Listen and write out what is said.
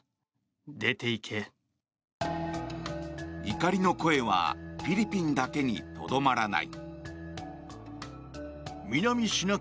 怒りの声はフィリピンだけにとどまらない。